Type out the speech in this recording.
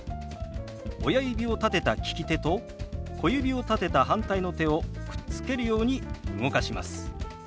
親指を立てた利き手と小指を立てた反対の手をくっつけるように動かします。